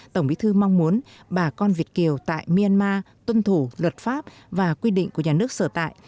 tổng bí thư mong muốn bà con việt kiều tại myanmar tuân thủ luật pháp và quy định của nhà nước sở tại